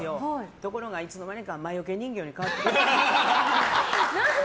ところが、いつの間にか魔よけ人形に変わってました。